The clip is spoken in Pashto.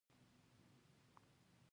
دوی کله ناکله لړماش پخوي؟